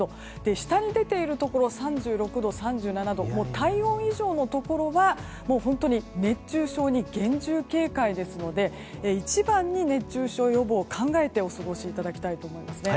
下に出ているところ３６度、３７度と体温以上のところは本当に熱中症に厳重警戒ですので一番、熱中症予防を考えてお過ごしいただきたいと思います。